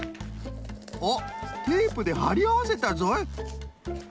おっテープではりあわせたぞい！